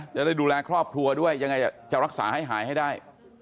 จะได้ดูแลครอบครัวด้วยยังไงจะรักษาให้หายให้ได้